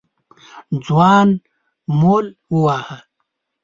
ځوان مول وواهه.